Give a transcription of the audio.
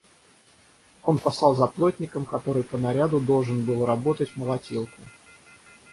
Он послал за плотником, который по наряду должен был работать молотилку.